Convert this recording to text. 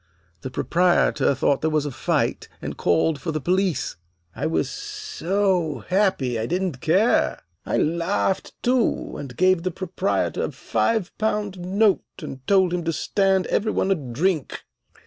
The proprietor thought there was a fight, and called for the police. I was so happy I didn't care. I laughed, too, and gave the proprietor a five pound note, and told him to stand every one a drink.